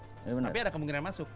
tapi ada kemungkinan masuk